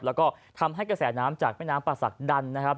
แล้วก็ทำให้กระแสน้ำจากแม่น้ำป่าศักดันนะครับ